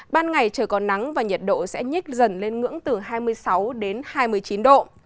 ban ngày trời còn nắng và nhiệt độ sẽ nhích dần lên ngưỡng từ hai mươi sáu đến hai mươi chín độ